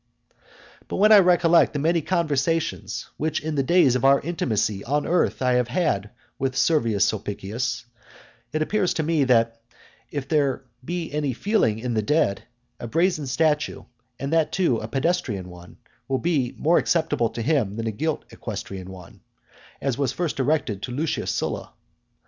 VI. But when I recollect the many conversations which in the days of our intimacy on earth I have had with Servius Sulpicius, it appears to me, that if there be any feeling in the dead, a brazen statue, and that too a pedestrian one, will be more acceptable to him than a gilt equestrian one, such as was first erected to Lucius Sylla.